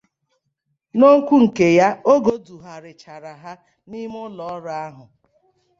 N'okwu nke ya oge e dugharịchara ha n'ime ụlọọrụ ahụ